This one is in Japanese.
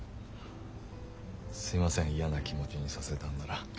すいません嫌な気持ちにさせたんなら。